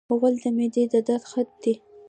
غول د معدې د درد خط دی.